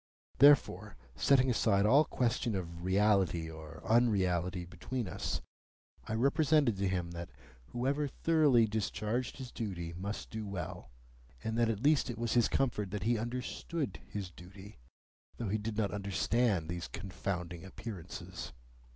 Therefore, setting aside all question of reality or unreality between us, I represented to him that whoever thoroughly discharged his duty must do well, and that at least it was his comfort that he understood his duty, though he did not understand these confounding Appearances.